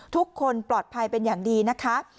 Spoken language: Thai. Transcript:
ทุกคนปลอดภัยเป็นอย่างดีนะคะ